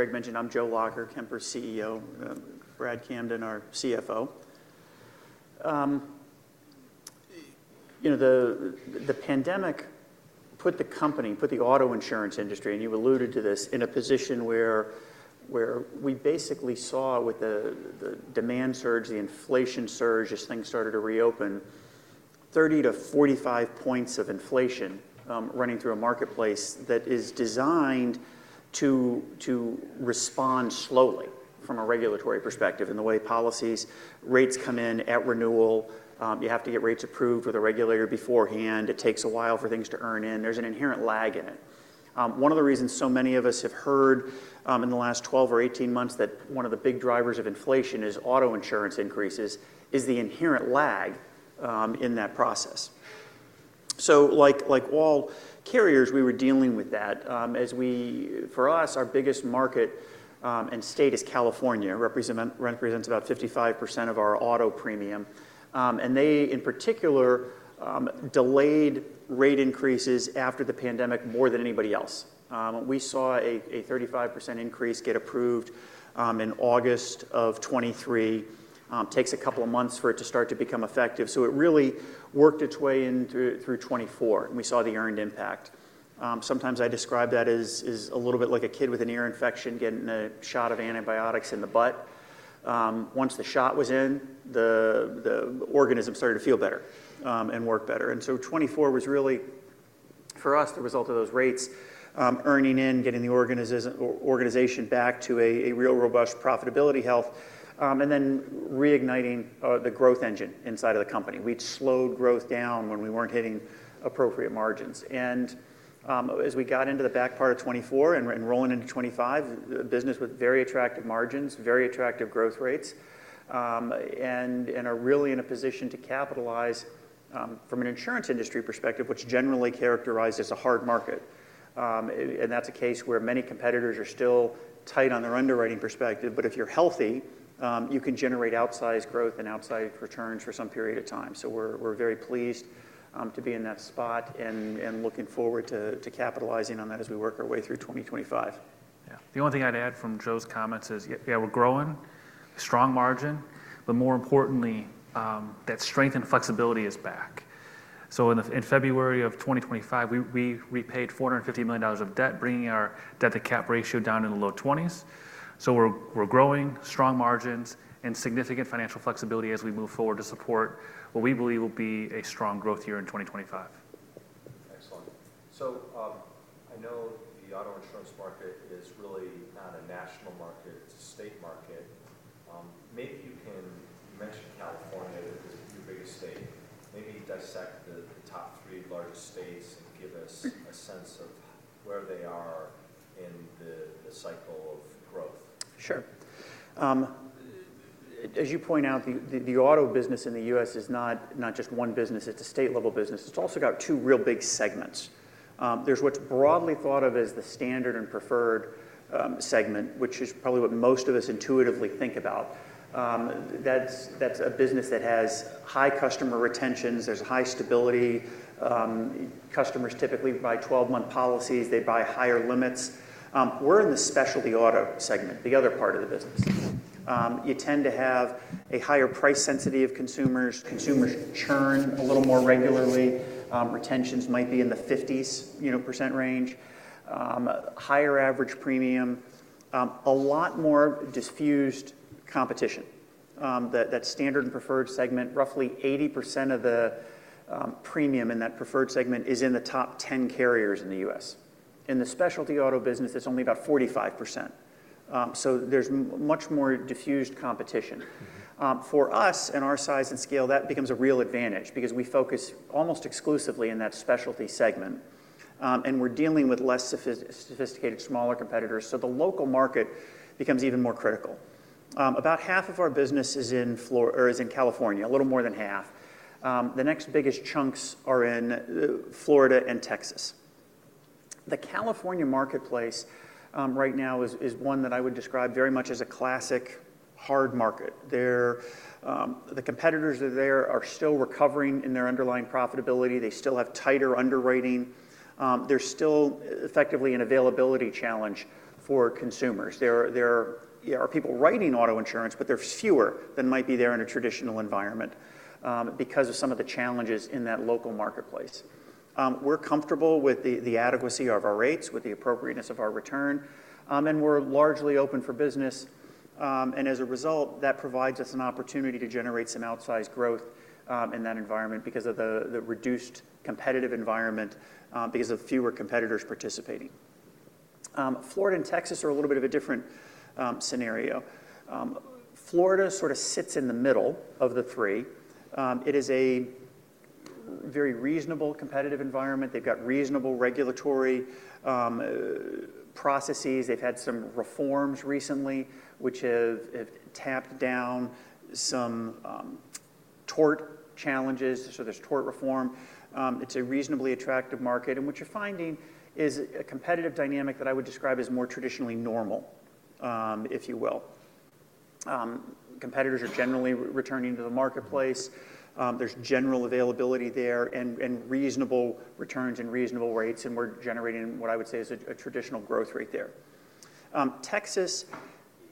As Greg mentioned, I'm Joe Lacher, Kemper CEO, Brad Camden, our CFO. You know, the pandemic put the company, put the auto insurance industry, and you alluded to this, in a position where we basically saw, with the demand surge, the inflation surge, as things started to reopen, 30-45 points of inflation running through a marketplace that is designed to respond slowly from a regulatory perspective, and the way policies, rates come in at renewal, you have to get rates approved with a regulator beforehand. It takes a while for things to earn in. There's an inherent lag in it. One of the reasons so many of us have heard in the last 12 or 18 months that one of the big drivers of inflation is auto insurance increases is the inherent lag in that process, so like all carriers, we were dealing with that. For us, our biggest market and state is California, represents about 55% of our auto premium. And they, in particular, delayed rate increases after the pandemic more than anybody else. We saw a 35% increase get approved in August of 2023. It takes a couple of months for it to start to become effective. So it really worked its way in through 2024, and we saw the earned impact. Sometimes I describe that as a little bit like a kid with an ear infection getting a shot of antibiotics in the butt. Once the shot was in, the organism started to feel better and work better. And so 2024 was really, for us, the result of those rates earning in, getting the organization back to a real robust profitability health, and then reigniting the growth engine inside of the company. We'd slowed growth down when we weren't hitting appropriate margins. As we got into the back part of 2024 and rolling into 2025, a business with very attractive margins, very attractive growth rates, and are really in a position to capitalize from an insurance industry perspective, which generally characterized as a hard market. That's a case where many competitors are still tight on their underwriting perspective. If you're healthy, you can generate outsized growth and outsized returns for some period of time. We're very pleased to be in that spot and looking forward to capitalizing on that as we work our way through 2025. Yeah. The only thing I'd add from Joe's comments is, yeah, we're growing, strong margin, but more importantly, that strength and flexibility is back. So in February of 2025, we repaid $450 million of debt, bringing our debt-to-cap ratio down in the low 20s. So we're growing, strong margins, and significant financial flexibility as we move forward to support what we believe will be a strong growth year in 2025. Excellent. So I know the auto insurance market is really not a national market. It's a state market. Maybe you can—you mentioned California as your biggest state. Maybe dissect the top three largest states and give us a sense of where they are in the cycle of growth? Sure. As you point out, the auto business in the U.S. is not just one business. It's a state-level business. It's also got two real big segments. There's what's broadly thought of as the standard and preferred segment, which is probably what most of us intuitively think about. That's a business that has high customer retentions. There's high stability. Customers typically buy 12-month policies. They buy higher limits. We're in the specialty auto segment, the other part of the business. You tend to have a higher price sensitivity of consumers. Consumers churn a little more regularly. Retentions might be in the 50% range. Higher average premium. A lot more diffused competition. That standard and preferred segment, roughly 80% of the premium in that preferred segment is in the top 10 carriers in the U.S. In the specialty auto business, it's only about 45%. So there's much more diffused competition. For us, and our size and scale, that becomes a real advantage because we focus almost exclusively in that specialty segment, and we're dealing with less sophisticated, smaller competitors. So the local market becomes even more critical. About half of our business is in California, a little more than half. The next biggest chunks are in Florida and Texas. The California marketplace right now is one that I would describe very much as a classic hard market. The competitors there are still recovering in their underlying profitability. They still have tighter underwriting. There's still effectively an availability challenge for consumers. There are people writing auto insurance, but there's fewer than might be there in a traditional environment because of some of the challenges in that local marketplace. We're comfortable with the adequacy of our rates, with the appropriateness of our return, and we're largely open for business. And as a result, that provides us an opportunity to generate some outsized growth in that environment because of the reduced competitive environment, because of fewer competitors participating. Florida and Texas are a little bit of a different scenario. Florida sort of sits in the middle of the three. It is a very reasonable competitive environment. They've got reasonable regulatory processes. They've had some reforms recently, which have tamped down some tort challenges. So there's tort reform. It's a reasonably attractive market. And what you're finding is a competitive dynamic that I would describe as more traditionally normal, if you will. Competitors are generally returning to the marketplace. There's general availability there and reasonable returns and reasonable rates. And we're generating what I would say is a traditional growth rate there. Texas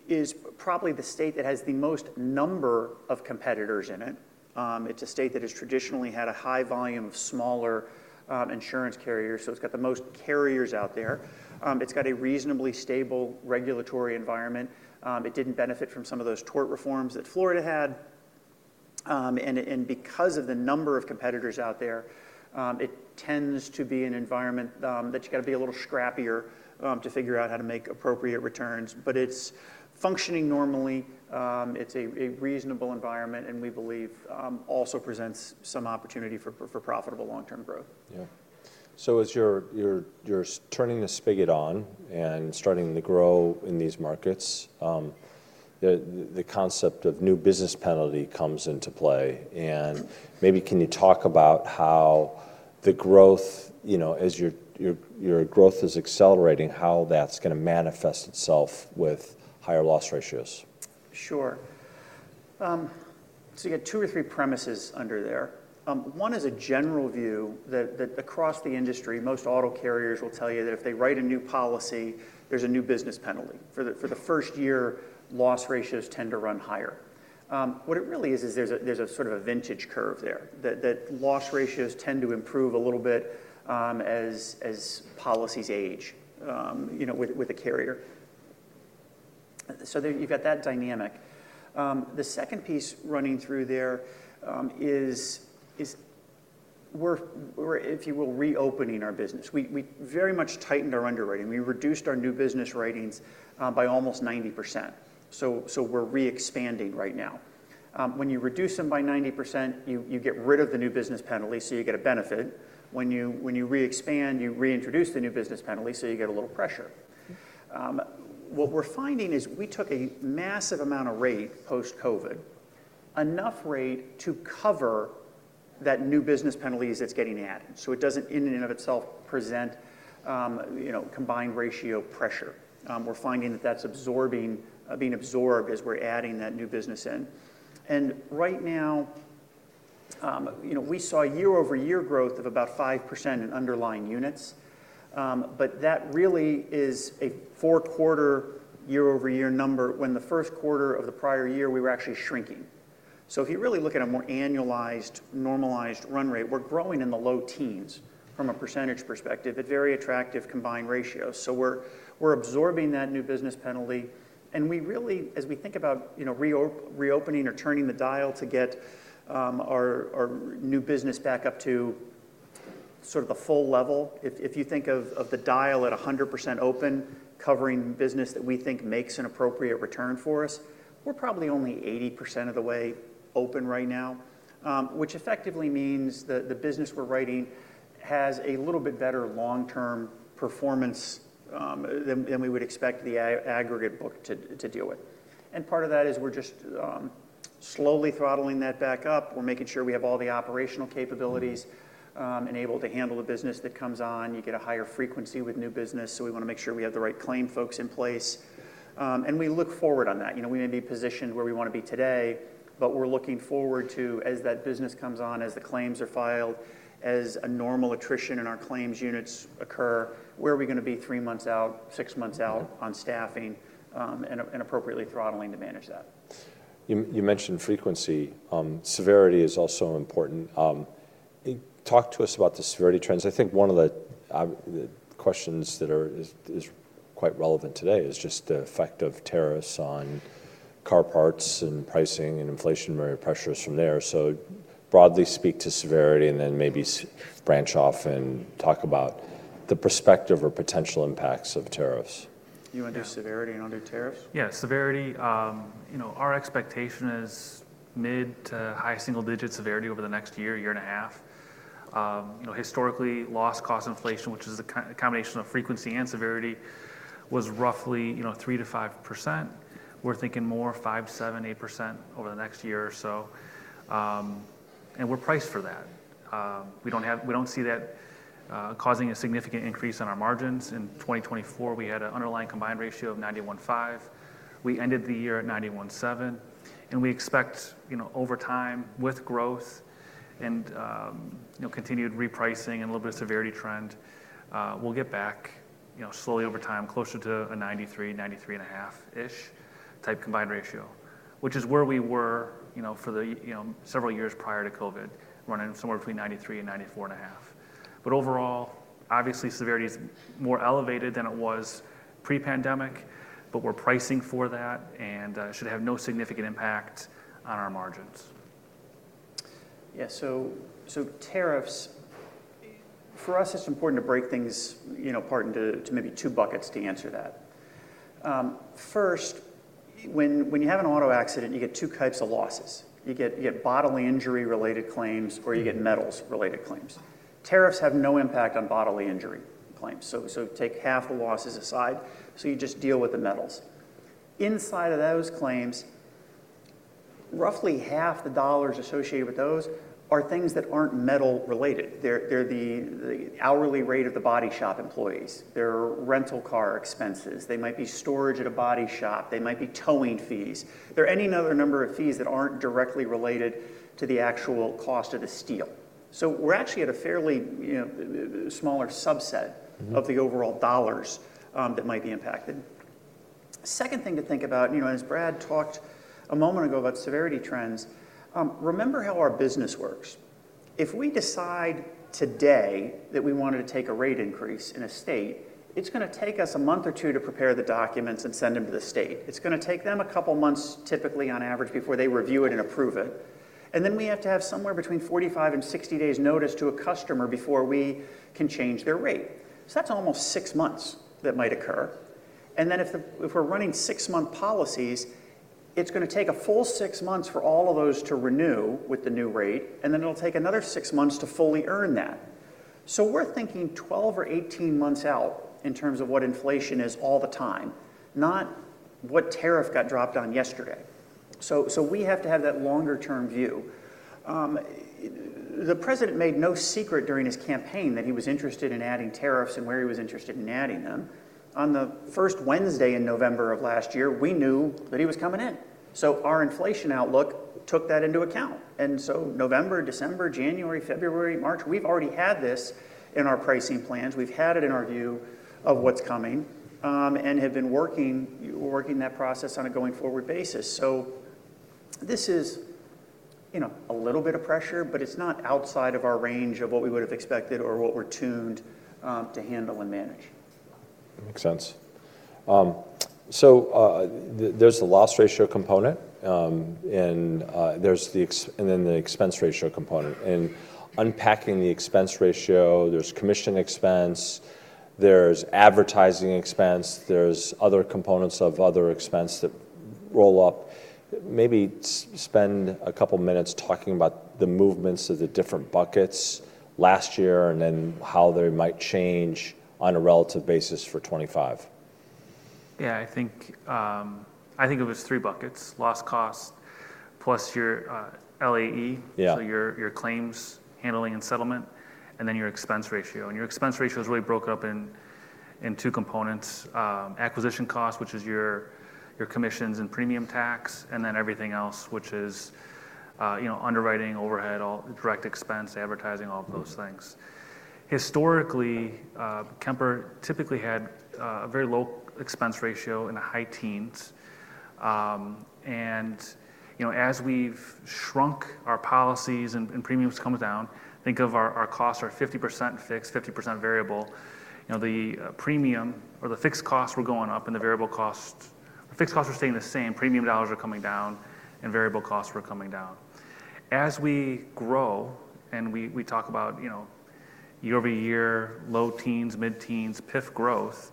is probably the state that has the most number of competitors in it. It's a state that has traditionally had a high volume of smaller insurance carriers. So it's got the most carriers out there. It's got a reasonably stable regulatory environment. It didn't benefit from some of those tort reforms that Florida had. And because of the number of competitors out there, it tends to be an environment that you've got to be a little scrappier to figure out how to make appropriate returns. But it's functioning normally. It's a reasonable environment, and we believe also presents some opportunity for profitable long-term growth. Yeah. So as you're turning the spigot on and starting to grow in these markets, the concept of new business penalty comes into play. And maybe can you talk about how the growth, as your growth is accelerating, how that's going to manifest itself with higher loss ratios? Sure. So you got two or three premises under there. One is a general view that across the industry, most auto carriers will tell you that if they write a new policy, there's a new business penalty. For the first year, loss ratios tend to run higher. What it really is, is there's a sort of a vintage curve there, that loss ratios tend to improve a little bit as policies age with a carrier. So you've got that dynamic. The second piece running through there is we're, if you will, reopening our business. We very much tightened our underwriting. We reduced our new business writings by almost 90%. So we're re-expanding right now. When you reduce them by 90%, you get rid of the new business penalty, so you get a benefit. When you re-expand, you reintroduce the new business penalty, so you get a little pressure. What we're finding is we took a massive amount of rate post-COVID, enough rate to cover that new business penalty that's getting added. So it doesn't, in and of itself, present combined ratio pressure. We're finding that that's absorbing, being absorbed as we're adding that new business in. And right now, we saw year-over-year growth of about 5% in underlying units. But that really is a four-quarter year-over-year number when the first quarter of the prior year we were actually shrinking. So if you really look at a more annualized, normalized run rate, we're growing in the low teens from a percentage perspective at very attractive combined ratios. So we're absorbing that new business penalty. And we really, as we think about reopening or turning the dial to get our new business back up to sort of the full level, if you think of the dial at 100% open, covering business that we think makes an appropriate return for us, we're probably only 80% of the way open right now, which effectively means that the business we're writing has a little bit better long-term performance than we would expect the aggregate book to deal with. And part of that is we're just slowly throttling that back up. We're making sure we have all the operational capabilities enabled to handle the business that comes on. You get a higher frequency with new business, so we want to make sure we have the right claim folks in place. And we look forward on that. We may be positioned where we want to be today, but we're looking forward to, as that business comes on, as the claims are filed, as a normal attrition in our claims units occur, where are we going to be three months out, six months out on staffing, and appropriately throttling to manage that. You mentioned frequency. Severity is also important. Talk to us about the severity trends. I think one of the questions that is quite relevant today is just the effect of tariffs on car parts and pricing and inflationary pressures from there. So broadly speak to severity and then maybe branch off and talk about the prospective or potential impacts of tariffs. Underlying severity and underlying tariffs? Yeah. Severity, our expectation is mid- to high single-digit severity over the next year, year and a half. Historically, loss cost inflation, which is a combination of frequency and severity, was roughly 3%-5%. We're thinking more 5%, 7%, 8% over the next year or so. And we're priced for that. We don't see that causing a significant increase in our margins. In 2024, we had an underlying combined ratio of 91.5%. We ended the year at 91.7%. And we expect over time, with growth and continued repricing and a little bit of severity trend, we'll get back slowly over time closer to a 93%-93.5%-ish type combined ratio, which is where we were for several years prior to COVID, running somewhere between 93% and 94.5%. But overall, obviously, severity is more elevated than it was pre-pandemic, but we're pricing for that and should have no significant impact on our margins. Yeah. So tariffs, for us, it's important to break things apart into maybe two buckets to answer that. First, when you have an auto accident, you get two types of losses. You get bodily injury-related claims or you get metals-related claims. Tariffs have no impact on bodily injury claims. So take half the losses aside. So you just deal with the metals. Inside of those claims, roughly half the dollars associated with those are things that aren't metal-related. They're the hourly rate of the body shop employees. They're rental car expenses. They might be storage at a body shop. They might be towing fees. There are any other number of fees that aren't directly related to the actual cost of the steel. So we're actually at a fairly smaller subset of the overall dollars that might be impacted. Second thing to think about, as Brad talked a moment ago about severity trends, remember how our business works. If we decide today that we wanted to take a rate increase in a state, it's going to take us a month or two to prepare the documents and send them to the state. It's going to take them a couple of months, typically on average, before they review it and approve it. And then we have to have somewhere between 45 and 60 days' notice to a customer before we can change their rate. So that's almost six months that might occur. And then if we're running six-month policies, it's going to take a full six months for all of those to renew with the new rate, and then it'll take another six months to fully earn that. So we're thinking 12 or 18 months out in terms of what inflation is all the time, not what tariff got dropped on yesterday. So we have to have that longer-term view. The President made no secret during his campaign that he was interested in adding tariffs and where he was interested in adding them. On the first Wednesday in November of last year, we knew that he was coming in. So our inflation outlook took that into account. And so November, December, January, February, March, we've already had this in our pricing plans. We've had it in our view of what's coming and have been working that process on a going-forward basis. So this is a little bit of pressure, but it's not outside of our range of what we would have expected or what we're tuned to handle and manage. That makes sense. So there's the loss ratio component, and then the expense ratio component. And unpacking the expense ratio, there's commission expense, there's advertising expense, there's other components of other expense that roll up. Maybe spend a couple of minutes talking about the movements of the different buckets last year and then how they might change on a relative basis for 2025. Yeah. I think it was three buckets: loss cost plus your LAE, so your claims handling and settlement, and then your expense ratio. And your expense ratio is really broken up in two components: acquisition cost, which is your commissions and premium tax, and then everything else, which is underwriting, overhead, direct expense, advertising, all of those things. Historically, Kemper typically had a very low expense ratio in the high teens. And as we've shrunk our policies and premiums come down, think of our costs are 50% fixed, 50% variable. The premium or the fixed costs were going up, and the variable costs, the fixed costs were staying the same. Premium dollars were coming down, and variable costs were coming down. As we grow, and we talk about year-over-year, low teens, mid-teens, PIF growth,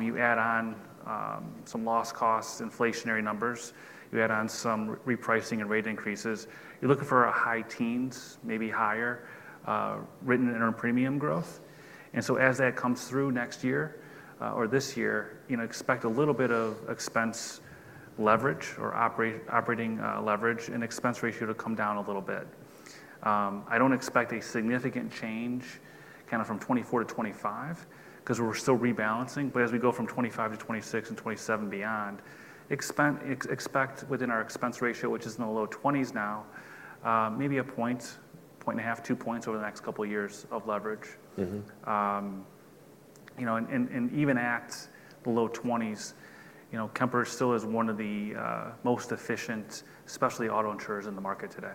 you add on some loss costs, inflationary numbers, you add on some repricing and rate increases. You're looking for a high teens, maybe higher, written premium growth. And so as that comes through next year or this year, expect a little bit of expense leverage or operating leverage and expense ratio to come down a little bit. I don't expect a significant change kind of from 2024 to 2025 because we're still rebalancing. But as we go from 2025 to 2026 and 2027 beyond, expect within our expense ratio, which is in the low 20s now, maybe a point, point and a half, two points over the next couple of years of leverage. And even at the low 20s, Kemper still is one of the most efficient, especially auto insurers, in the market today,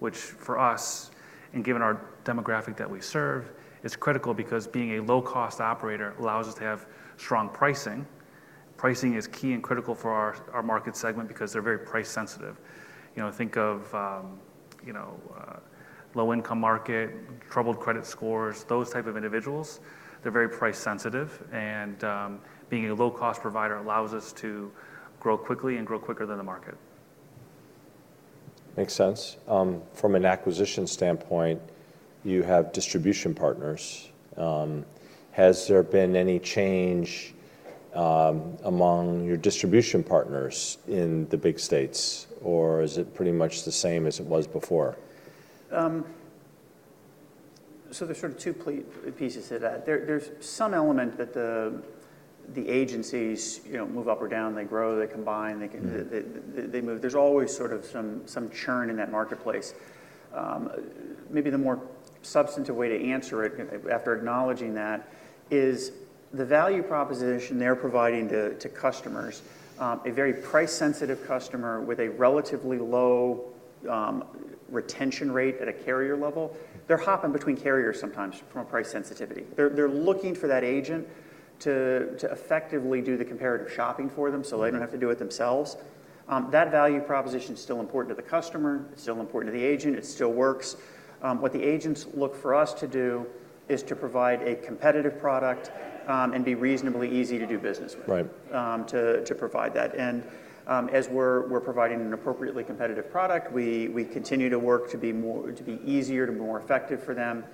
which for us, and given our demographic that we serve, is critical because being a low-cost operator allows us to have strong pricing. Pricing is key and critical for our market segment because they're very price-sensitive. Think of low-income market, troubled credit scores, those types of individuals. They're very price-sensitive, and being a low-cost provider allows us to grow quickly and grow quicker than the market. Makes sense. From an acquisition standpoint, you have distribution partners. Has there been any change among your distribution partners in the big states, or is it pretty much the same as it was before? So there's sort of two pieces to that. There's some element that the agencies move up or down. They grow, they combine, they move. There's always sort of some churn in that marketplace. Maybe the more substantive way to answer it, after acknowledging that, is the value proposition they're providing to customers, a very price-sensitive customer with a relatively low retention rate at a carrier level. They're hopping between carriers sometimes from a price sensitivity. They're looking for that agent to effectively do the comparative shopping for them so they don't have to do it themselves. That value proposition is still important to the customer. It's still important to the agent. It still works. What the agents look for us to do is to provide a competitive product and be reasonably easy to do business with, to provide that. As we're providing an appropriately competitive product, we continue to work to be easier, to be more effective for them.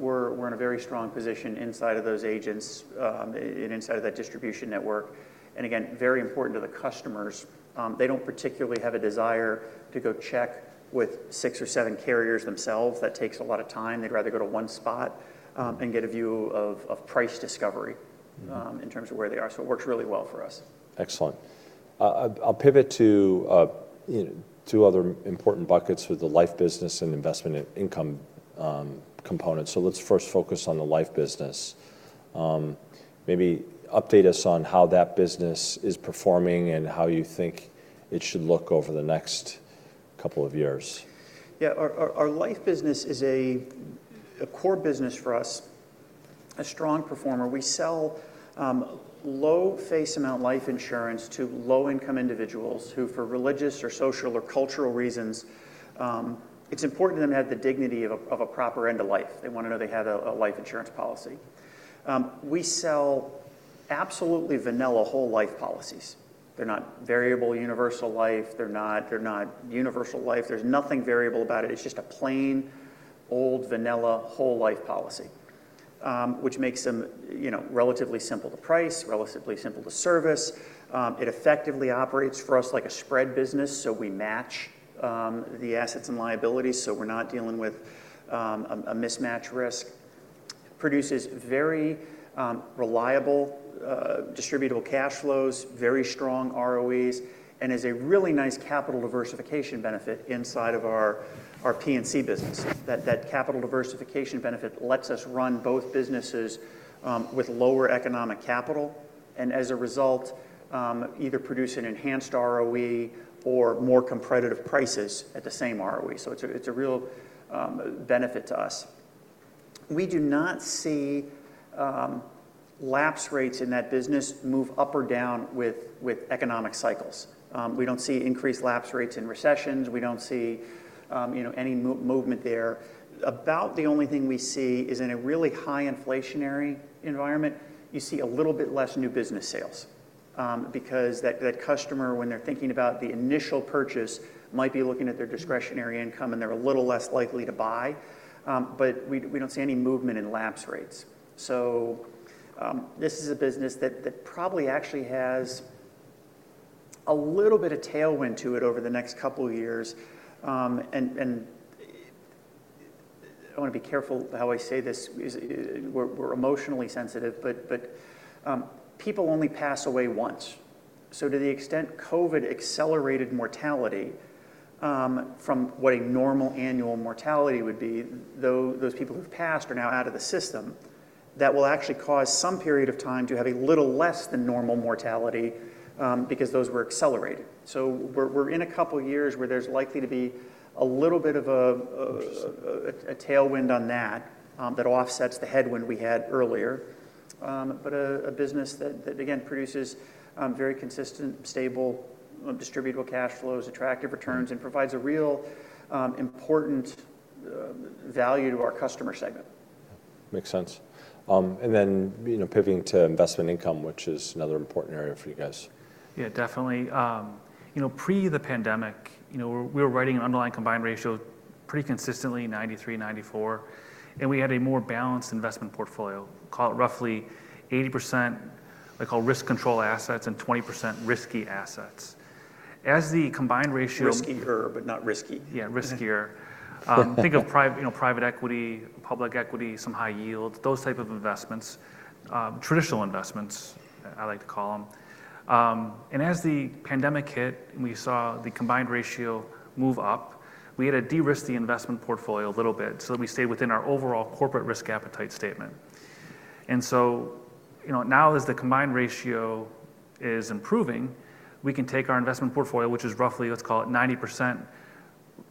We're in a very strong position inside of those agents and inside of that distribution network. Again, very important to the customers. They don't particularly have a desire to go check with six or seven carriers themselves. That takes a lot of time. They'd rather go to one spot and get a view of price discovery in terms of where they are. So it works really well for us. Excellent. I'll pivot to two other important buckets with the life business and investment income component. So let's first focus on the life business. Maybe update us on how that business is performing and how you think it should look over the next couple of years. Yeah. Our life business is a core business for us, a strong performer. We sell low face amount life insurance to low-income individuals who, for religious or social or cultural reasons, it's important to them to have the dignity of a proper end of life. They want to know they had a life insurance policy. We sell absolutely vanilla whole life policies. They're not variable universal life. They're not universal life. There's nothing variable about it. It's just a plain old vanilla whole life policy, which makes them relatively simple to price, relatively simple to service. It effectively operates for us like a spread business, so we match the assets and liabilities, so we're not dealing with a mismatch risk. It produces very reliable distributable cash flows, very strong ROEs, and is a really nice capital diversification benefit inside of our P&C business. That capital diversification benefit lets us run both businesses with lower economic capital and, as a result, either produce an enhanced ROE or more competitive prices at the same ROE. So it's a real benefit to us. We do not see lapse rates in that business move up or down with economic cycles. We don't see increased lapse rates in recessions. We don't see any movement there. About the only thing we see is in a really high inflationary environment, you see a little bit less new business sales because that customer, when they're thinking about the initial purchase, might be looking at their discretionary income, and they're a little less likely to buy. But we don't see any movement in lapse rates. So this is a business that probably actually has a little bit of tailwind to it over the next couple of years. And I want to be careful how I say this. We're emotionally sensitive, but people only pass away once. So to the extent COVID accelerated mortality from what a normal annual mortality would be, those people who've passed are now out of the system. That will actually cause some period of time to have a little less than normal mortality because those were accelerated. So we're in a couple of years where there's likely to be a little bit of a tailwind on that that offsets the headwind we had earlier. But a business that, again, produces very consistent, stable, distributable cash flows, attractive returns, and provides a real important value to our customer segment. Makes sense. And then pivoting to investment income, which is another important area for you guys. Yeah, definitely. Pre the pandemic, we were writing an underlying combined ratio pretty consistently, 93%, 94%. And we had a more balanced investment portfolio. Call it roughly 80%, I call risk control assets and 20% risky assets. As the combined ratio. Riskier, but not risky. Yeah, riskier. Think of private equity, public equity, some high yield, those types of investments, traditional investments, I like to call them. And as the pandemic hit and we saw the combined ratio move up, we had to de-risk the investment portfolio a little bit so that we stayed within our overall corporate risk appetite statement. And so now, as the combined ratio is improving, we can take our investment portfolio, which is roughly, let's call it 90%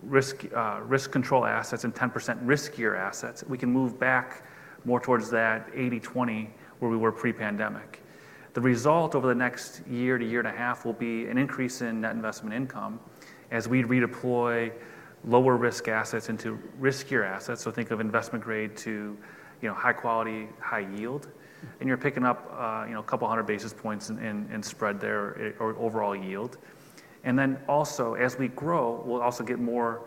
risk control assets and 10% riskier assets. We can move back more towards that 80/20 where we were pre-pandemic. The result over the next year to year and a half will be an increase in net investment income as we redeploy lower risk assets into riskier assets. So think of investment grade to high quality, high yield. And you're picking up a couple of hundred basis points and spread their overall yield. And then also, as we grow, we'll also get more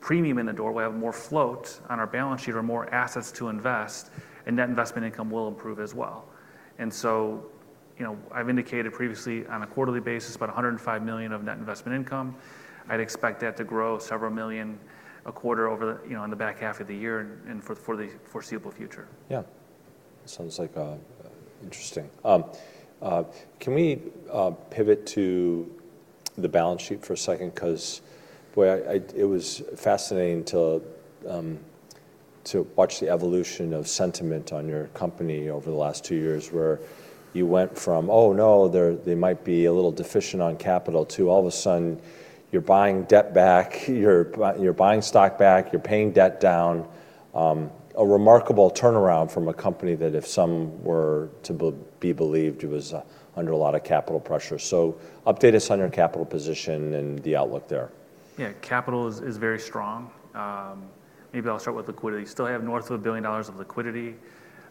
premium in the door. We'll have more float on our balance sheet or more assets to invest, and net investment income will improve as well. And so I've indicated previously, on a quarterly basis, about $105 million of net investment income. I'd expect that to grow several million a quarter in the back half of the year and for the foreseeable future. Yeah. Sounds like interesting. Can we pivot to the balance sheet for a second? Because, boy, it was fascinating to watch the evolution of sentiment on your company over the last two years where you went from, "Oh, no, they might be a little deficient on capital," to all of a sudden, you're buying debt back, you're buying stock back, you're paying debt down. A remarkable turnaround from a company that, if some were to be believed, was under a lot of capital pressure. So update us on your capital position and the outlook there. Yeah. Capital is very strong. Maybe I'll start with liquidity. Still have north of $1 billion of liquidity.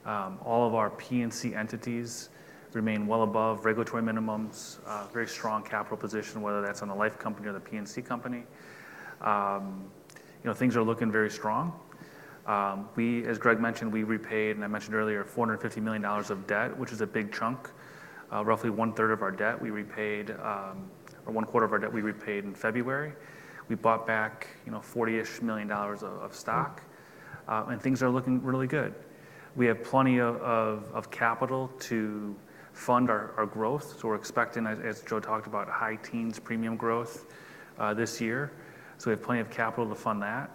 All of our P&C entities remain well above regulatory minimums, very strong capital position, whether that's on the life company or the P&C company. Things are looking very strong. We, as Greg mentioned, we repaid, and I mentioned earlier, $450 million of debt, which is a big chunk, roughly one-third of our debt. One quarter of our debt we repaid in February. We bought back $40-ish million of stock, and things are looking really good. We have plenty of capital to fund our growth, so we're expecting, as Joe talked about, high teens premium growth this year, so we have plenty of capital to fund that.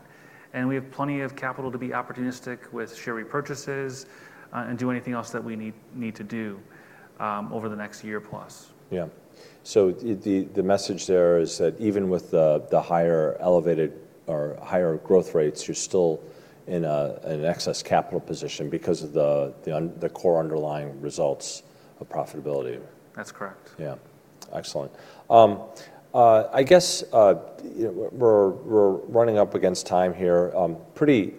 We have plenty of capital to be opportunistic with share repurchases and do anything else that we need to do over the next year plus. Yeah. So the message there is that even with the higher elevated or higher growth rates, you're still in an excess capital position because of the core underlying results of profitability. That's correct. Yeah. Excellent. I guess we're running up against time here. Pretty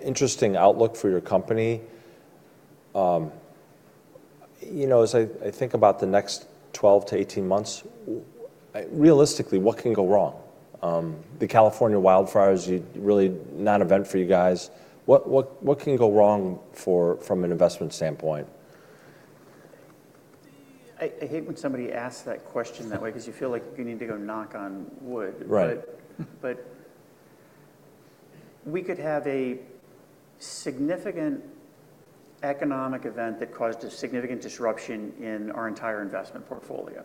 interesting outlook for your company. As I think about the next 12-18 months, realistically, what can go wrong? The California wildfires, really not an event for you guys. What can go wrong from an investment standpoint? I hate when somebody asks that question that way because you feel like you need to go knock on wood. But we could have a significant economic event that caused a significant disruption in our entire investment portfolio.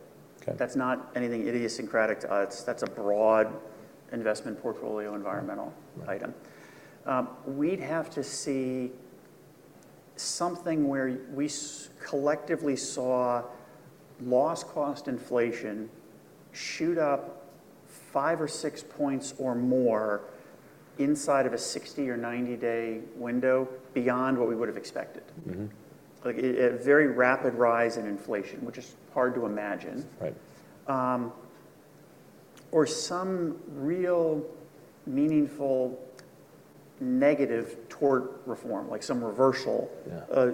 That's not anything idiosyncratic to us. That's a broad investment portfolio environmental item. We'd have to see something where we collectively saw loss cost inflation shoot up five or six points or more inside of a 60 or 90-day window beyond what we would have expected. A very rapid rise in inflation, which is hard to imagine, or some real meaningful negative tort reform, like some reversal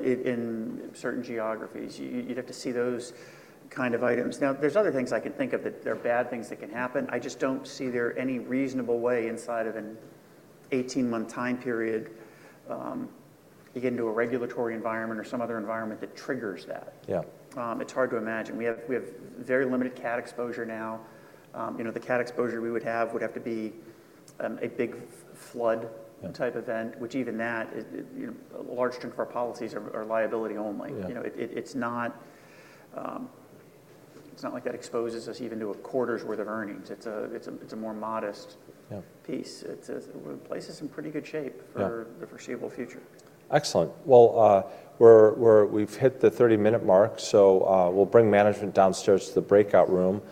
in certain geographies. You'd have to see those kind of items. Now, there's other things I can think of that are bad things that can happen. I just don't see there any reasonable way inside of an 18-month time period to get into a regulatory environment or some other environment that triggers that. It's hard to imagine. We have very limited Cat exposure now. The Cat exposure we would have would have to be a big flood type event, which even that, a large chunk of our policies are liability only. It's not like that exposes us even to a quarter's worth of earnings. It's a more modest piece. It places in pretty good shape for the foreseeable future. Excellent. Well, we've hit the 30-minute mark, so we'll bring management downstairs to the breakout room.